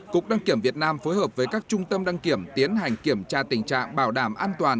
cục đăng kiểm việt nam phối hợp với các trung tâm đăng kiểm tiến hành kiểm tra tình trạng bảo đảm an toàn